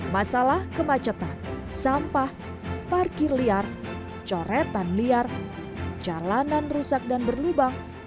masalah kemacetan sampah parkir liar coretan liar jalanan rusak dan berlubang